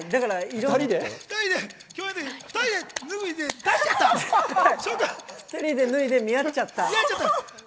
２人で脱いで出しちゃった？